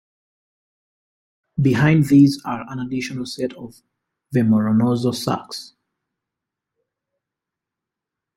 Behind these are an additional set of vomeronasal sacs.